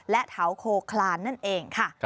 และแถวโคคลานนั่นเองค่ะ